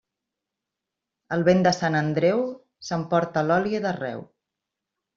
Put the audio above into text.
El vent de Sant Andreu s'emporta l'oli d'arreu.